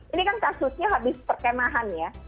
ini kan kasusnya habis perkemahan ya